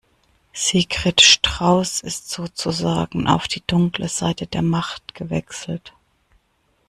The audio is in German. Sigrid Strauß ist sozusagen auf die dunkle Seite der Macht gewechselt.